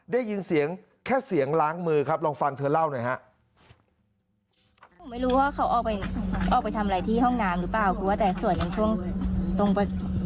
ได้ยินเสียงแค่เสียงล้างมือครับลองฟังเธอเล่าหน่อยฮะ